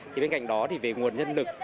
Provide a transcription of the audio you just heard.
thì bên cạnh đó thì về nguồn nhân lực